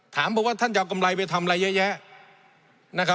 บอกว่าท่านจะเอากำไรไปทำอะไรเยอะแยะ